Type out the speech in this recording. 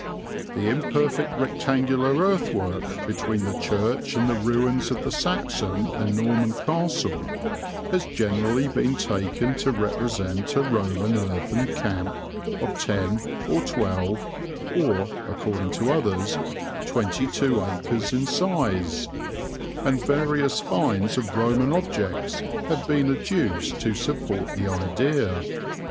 "The imperfect rectangular earthwork between the church and the ruins of the Saxon and Norman castle has generally been taken to represent a Roman earthen camp of 10 or 12 or (according to others) 22 acres in size, and various finds of Roman objects have been adduced to support the idea.